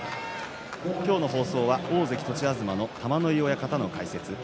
今日は大関栃東の玉ノ井親方の解説です。